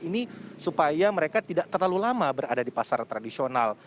ini supaya mereka tidak terlalu lama berada di pasar tradisional